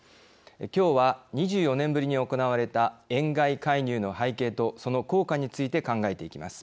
今日は、２４年ぶりに行われた円買い介入の背景とその効果について考えていきます。